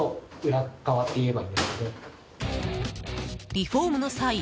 リフォームの際